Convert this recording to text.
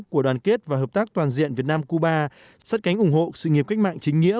của đoàn kết và hợp tác toàn diện việt nam cuba sát cánh ủng hộ sự nghiệp cách mạng chính nghĩa